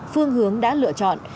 phương hướng đã lựa chọn